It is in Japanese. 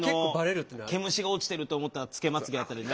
毛虫が落ちてると思ったら付けまつげだったりな。